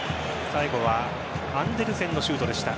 最後はアンデルセンのシュートでした。